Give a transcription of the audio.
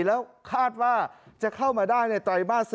แล้วคาดว่าจะเข้ามาได้ในไตรมาส๔